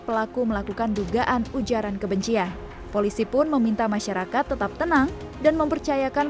pelaku melakukan dugaan ujaran kebencian polisi pun meminta masyarakat tetap tenang dan mempercayakan